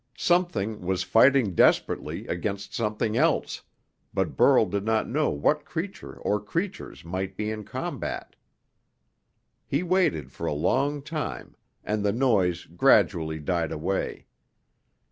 Something was fighting desperately against something else, but Burl did not know what creature or creatures might be in combat. He waited for a long time, and the noise gradually died away.